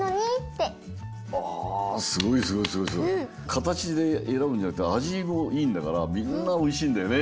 かたちでえらぶんじゃなくてあじもいいんだからみんなおいしいんだよね。